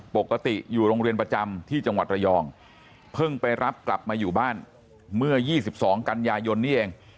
ปกติอยู่โรงเรียนประจำที่จังหวัดระยองเพิ่งไปรับกลับมาอยู่บ้านเมื่อ๒๒กันยายนนี่เอง